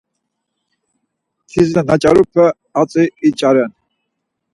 Tiz na naç̌arupe, hatzi iç̌aren.